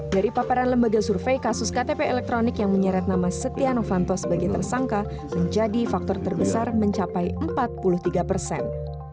dari paparan lembaga survei kasus ktp elektronik yang menyeret nama setia novanto sebagai tersangka menjadi faktor terbesar mencapai empat puluh tiga persen